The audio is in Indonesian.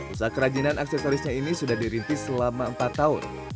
usaha kerajinan aksesorisnya ini sudah dirintis selama empat tahun